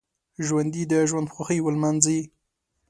ژوندي د ژوند خوښۍ ولمانځي